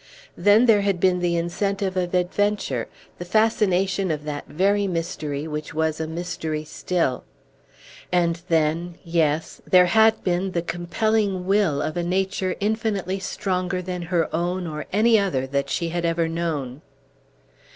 Then there had been the incentive of adventure, the fascination of that very mystery which was a mystery still. And then yes! there had been the compelling will of a nature infinitely stronger than her own or any other that she had ever known.